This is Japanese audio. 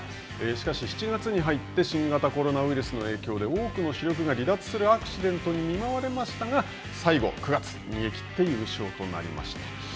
しかし、７月に入って新型コロナウイルスの影響で、多くの主力が離脱するアクシデントに見舞われましたが、最後、９月、逃げきって優勝となりました。